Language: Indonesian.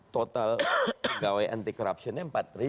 total gawai anti corruptionnya empat ribu